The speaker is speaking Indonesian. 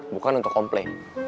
bukan untuk komple